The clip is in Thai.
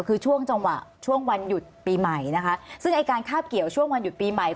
คือช่วงจังหวะช่วงวันหยุดปีใหม่นะคะซึ่งไอ้การคาบเกี่ยวช่วงวันหยุดปีใหม่